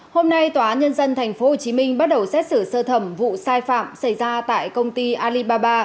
hôm nay tòa án nhân dân tp hcm bắt đầu xét xử sơ thẩm vụ sai phạm xảy ra tại công ty alibaba